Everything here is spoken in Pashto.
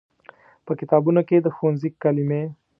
په کتابونو کې د ښوونځي کلمې